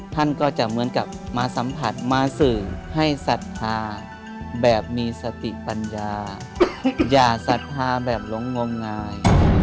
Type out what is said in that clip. ท่านก็จะเหมือนกับมาสัมผัสมาสื่อให้ศรัทธาแบบมีสติปัญญาอย่าศรัทธาแบบหลงงมงาย